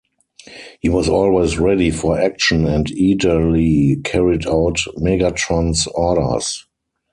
He was always ready for action and eagerly carried out Megatron's orders.